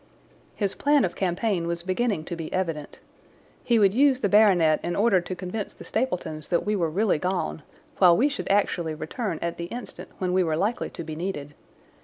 His plan of campaign was beginning to be evident. He would use the baronet in order to convince the Stapletons that we were really gone, while we should actually return at the instant when we were likely to be needed.